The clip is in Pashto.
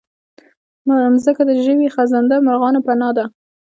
مځکه د ژوي، خزنده، مرغانو پناه ده.